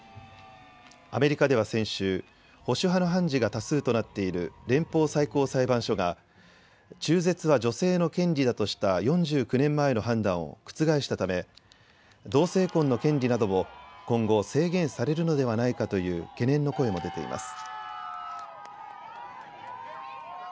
アメリカでは先週、保守派の判事が多数となっている連邦最高裁判所が中絶は女性の権利だとした４９年前の判断を覆したため同性婚の権利なども今後、制限されるのではないかという懸念の声も出ています。